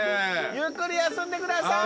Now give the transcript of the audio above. ゆっくり休んでください。